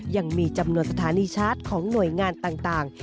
ยังมีจำนวนสถานีชาร์จของหน่วยงานต่าง